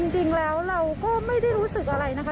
จริงแล้วเราก็ไม่ได้รู้สึกอะไรนะคะ